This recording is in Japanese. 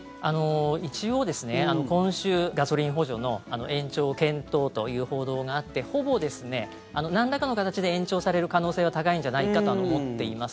一応、今週ガソリン補助の延長検討という報道があってほぼなんらかの形で延長される可能性が高いんじゃないかと思っています。